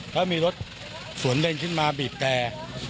แล้วมีรถสวนเลนขึ้นมาบีบแต่